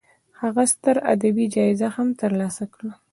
هغه ستره ادبي جایزه هم تر لاسه کړه.